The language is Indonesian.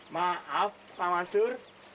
maaf pak mansur